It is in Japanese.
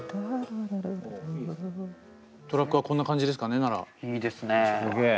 トラックはこんな感じですかねなら。